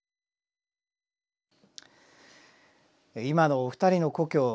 今のお二人の故郷